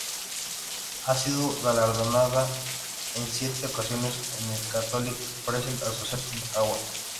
Ha sido galardonada en siete ocasiones con el Catholic Press Association Award.